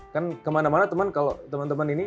kan kemana mana teman teman ini